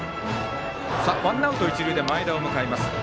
ワンアウト、一塁で前田を迎えます。